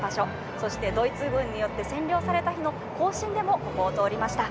そして、ドイツ軍に占領された日の行進でもここを通りました。